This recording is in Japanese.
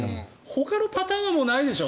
ほかのパターンはもうないでしょ。